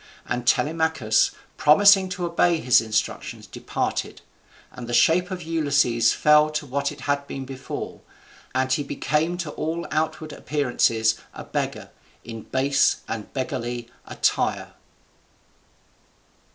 And Telemachus, promising to obey his instructions, departed; and the shape of Ulysses fell to what it had been before, and he became to all outward appearance a beggar, in base and beggarly attire.